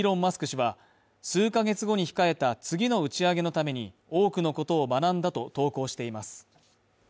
氏は、数か月後に控えた次の打ち上げのために多くのことを学んだと投稿しています。